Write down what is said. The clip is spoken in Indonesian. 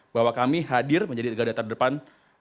bahwa kami hadir menjadi negara terdepan